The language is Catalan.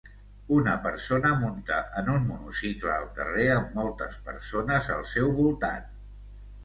Una persona munta en un monocicle al carrer amb moltes persones al seu voltant.